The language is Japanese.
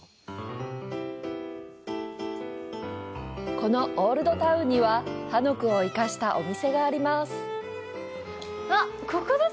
このオールドタウンには、韓屋を生かしたお店があります。